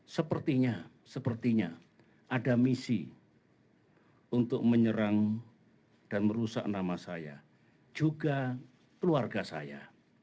sepertinya sepertinya ada misi untuk menyerang dan merusak nama saya juga keluarga saya